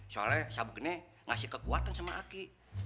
soalnya sabuk ini ngasih kekuatan sama aki